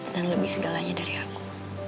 dan lebih segalanya dari aku